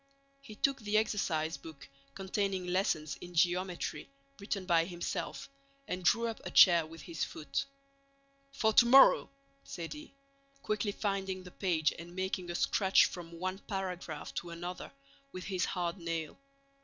He took the exercise book containing lessons in geometry written by himself and drew up a chair with his foot. "For tomorrow!" said he, quickly finding the page and making a scratch from one paragraph to another with his hard nail.